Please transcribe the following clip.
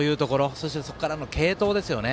そして、そこからの継投ですよね。